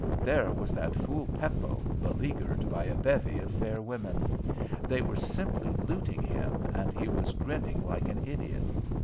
There was that fool Peppo, beleaguered by a bevy of fair women. They were simply looting him, and he was grinning like an idiot.